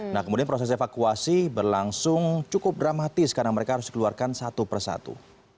nah kemudian proses evakuasi berlangsung cukup dramatis karena mereka harus dikeluarkan satu persatu